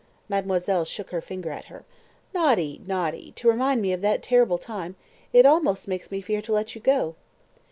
Mademoiselle shook her finger at her. "Naughty, naughty! to remind me of that terrible time it almost makes me fear to let you go."